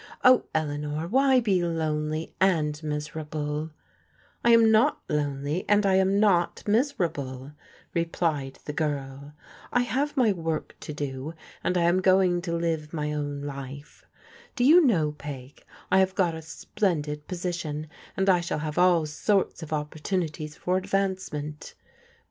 Oh, Eleanor, why be "^ I a=i =c€ jDcsdjr aad I am not miserable,'' replied the girL *^ I have cir work to do^ and I am going to live my own life. IX} yoa know. Peg:, I have got a ^lendid po&itioo, and I shall hai^ all sorts of opp or t un ities for advancement.'